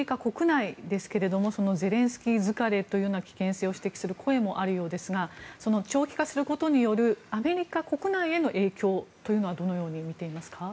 現在のアメリカ国内ですがゼレンスキー疲れを指摘する声もあるようですが長期化することによるアメリカ国内への影響はどのように見ていますか？